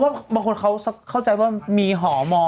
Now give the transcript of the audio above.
อ่ะเพราะว่าบางคนเขาเข้าใจว่ามีหอมอย